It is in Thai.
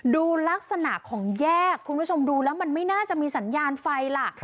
ดูลักษณะของแยกคุณผู้ชมดูแล้วมันไม่น่าจะมีสัญญาณไฟล่ะ